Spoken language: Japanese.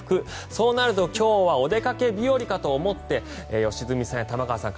そうなると今日はお出かけ日和と思って良純さんや玉川さん